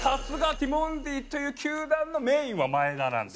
ティモンディという球団のメインは前田なんで。